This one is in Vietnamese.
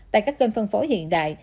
tại các kênh phân phối hiện đại